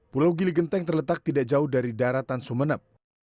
pulau gili genteng terletak tidak jauh dari daratan sumeneb